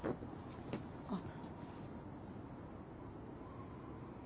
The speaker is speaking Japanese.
あっ。